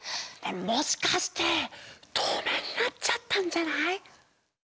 もしかしてとうめいになっちゃったんじゃない？